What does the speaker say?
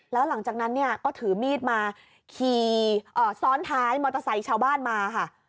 แล้วหลังจากนั้นเนี่ยก็ถือมีดมาขี่ซ้อนท้ายมอเตอร์ไซค์ชาวบ้านมาค่ะ